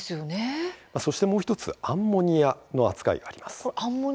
そしてもう１つアンモニアの扱いがあります。